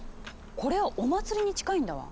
これはお祭りに近いんだわ。